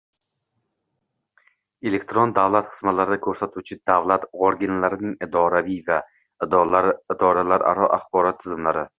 elektron davlat xizmatlari ko‘rsatuvchi davlat organlarining idoraviy va idoralararo axborot tizimlari